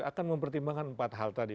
akan mempertimbangkan empat hal tadi